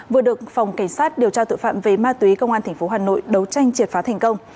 vừa được phòng cảnh sát điều tra tội phạm về ma túy công an tp hà nội đấu tranh triệt phá thành công